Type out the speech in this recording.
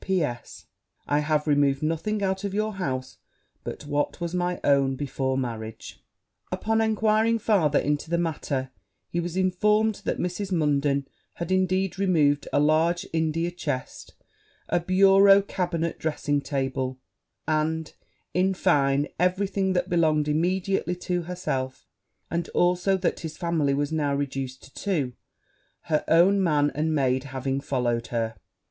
P.S. I have removed nothing out of your house but what was my own before marriage.' Upon enquiring further into the matter, he was informed that Mrs. Munden had, indeed, removed a large India chest, a bureau, cabinet dressing table; and, in fine, every thing that belonged immediately to herself; and also that his family was now reduced to two, her own man and maid having followed her.